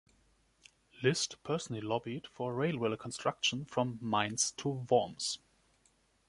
List personally lobbied for a railway construction from Mainz to Worms.